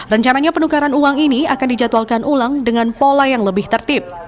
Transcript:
rencananya penukaran uang ini akan dijadwalkan ulang dengan pola yang lebih tertib